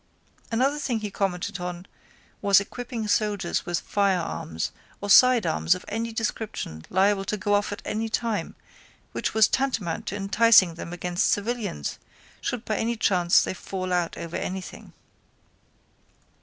Another thing he commented on was equipping soldiers with firearms or sidearms of any description liable to go off at any time which was tantamount to inciting them against civilians should by any chance they fall out over anything.